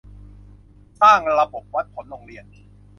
สร้างระบบวัดผลโรงเรียน